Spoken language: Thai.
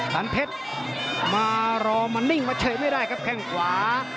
สันเพชรมารอมานิ่งมาเฉยไม่ได้ครับแข้งขวา